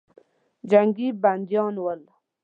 جنګي بندیان ول.